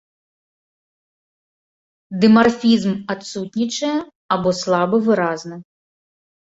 Дымарфізм адсутнічае або слаба выразны.